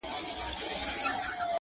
که زر کلونه ژوند هم ولرمه.